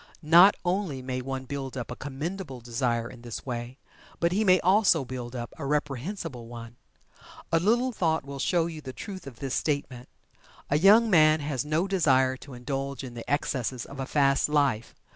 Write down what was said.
Not only may one build up a commendable desire in this way, but he may also build up a reprehensible one. A little thought will show you the truth of this statement. A young man has no desire to indulge in the excesses of a "fast" life.